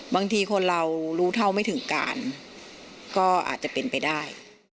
บางทีคนเรารู้เท่าไม่ถึงการก็อาจจะเป็นไปได้